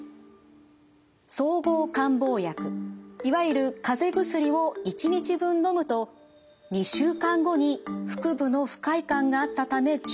総合感冒薬いわゆるかぜ薬を１日分のむと２週間後に腹部の不快感があったため受診。